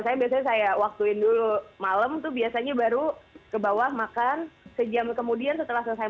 saya biasanya saya waktuin dulu malam tuh biasanya baru ke bawah makan sejam kemudian setelah selesai makan